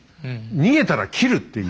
逃げたら斬るっていう。